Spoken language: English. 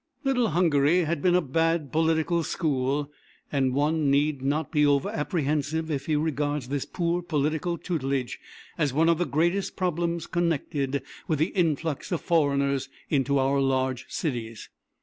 "Little Hungary" has been a bad political school and one need not be over apprehensive if he regards this poor political tutelage as one of the greatest problems connected with the influx of foreigners into our large cities.